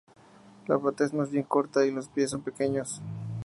La pata es más bien corta y los pies son pequeños.